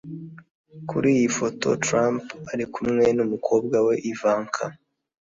Kuri iyi foto Trump ari kumwe n’ umukobwa we Ivanka